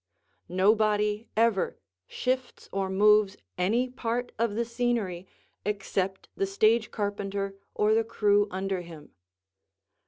Nobody ever shifts or moves any part of the scenery except the stage carpenter or the crew under him.